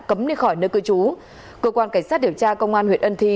cấm đi khỏi nơi cư trú cơ quan cảnh sát điều tra công an huyện ân thi